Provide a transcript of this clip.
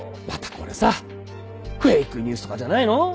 またこれさフェイクニュースとかじゃないの？